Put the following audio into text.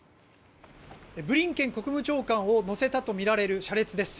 ブリンケン国務長官を乗せたとみられる車列です。